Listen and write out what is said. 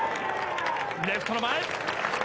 レフトの前。